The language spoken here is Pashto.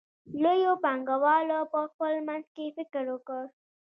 لویو پانګوالو په خپل منځ کې فکر وکړ